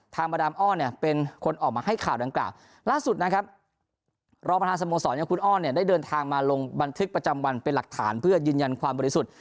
มาดามอ้อเนี่ยเป็นคนออกมาให้ข่าวดังกล่าวล่าสุดนะครับรองประธานสโมสรอย่างคุณอ้อนเนี่ยได้เดินทางมาลงบันทึกประจำวันเป็นหลักฐานเพื่อยืนยันความบริสุทธิ์